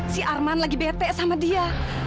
si arman lagi bete sama dia